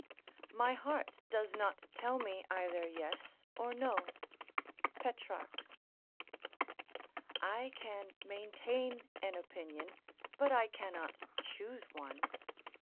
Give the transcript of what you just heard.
["My heart does not tell me either yes or no." Petrarch.] I can maintain an opinion, but I cannot choose one.